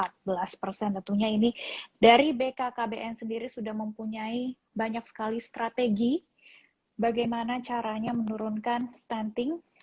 tentunya ini dari bkkbn sendiri sudah mempunyai banyak sekali strategi bagaimana caranya menurunkan stunting